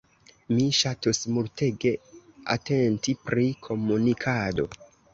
Mi ŝatus multege atenti pri komunikado.